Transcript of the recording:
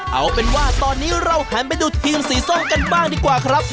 เอาเป็นว่าตอนนี้เราหันไปดูทีมสีส้มกันบ้างดีกว่าครับ